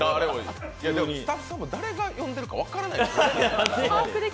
スタッフさんも誰が呼んでるか分からないもんね。